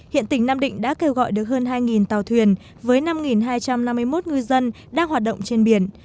hiện tỉnh nam định đã kêu gọi được hơn hai tàu thuyền với năm hai trăm năm mươi một ngư dân đang hoạt động trên biển